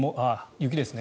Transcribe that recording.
雪ですね。